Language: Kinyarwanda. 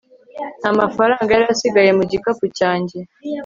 nta mafaranga yari asigaye mu gikapu cyanjye